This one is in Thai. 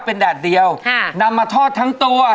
เป็นแดดเดียวนำมาทอดทั้งตัว